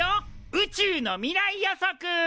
「宇宙の未来予測」！